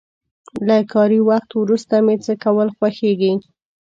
له کاري وخت وروسته مې څه کول خوښيږي؟